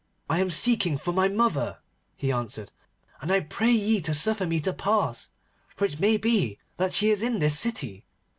'I am seeking for my mother,' he answered, 'and I pray ye to suffer me to pass, for it may be that she is in this city.